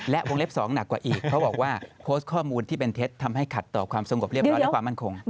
และวงเล็บ๒หนักกว่าอีกเพราะบอกว่าโพสต์ข้อมูลที่เป็นเท็จทำให้ขัดต่อความสงบเรียบร้อยและความมั่นคง